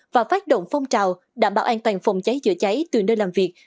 và phát động phong trào đảm bảo an toàn phòng cháy chữa cháy từ nơi làm việc